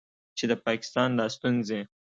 چې د پاکستان دا ستونځې